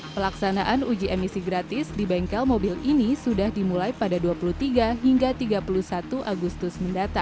pelaksanaan uji emisi gratis di bengkel mobil ini sudah dimulai pada dua puluh tiga hingga tiga puluh satu agustus mendatang